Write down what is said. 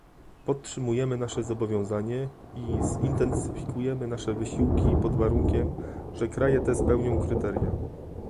Podtrzymujemy nasze zobowiązanie i zintensyfikujemy nasze wysiłki, pod warunkiem, że kraje te spełnią kryteria